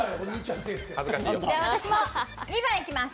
私も２いきます。